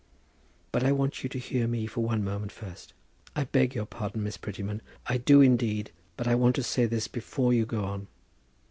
"But I want you to hear me for one moment first. I beg your pardon, Miss Prettyman; I do indeed, but I want to say this before you go on.